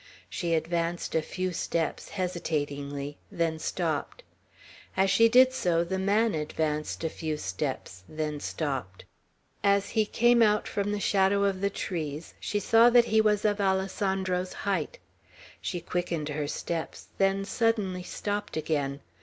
She advanced a few steps, hesitatingly, then stopped. As she did so, the man advanced a few steps, then stopped. As he came out from the shadows of the trees, she saw that he was of Alessandro's height. She quickened her steps, then suddenly stopped again.